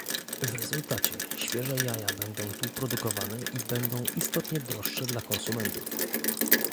W rezultacie świeże jaja będą tu produkowane i będą istotnie droższe dla konsumentów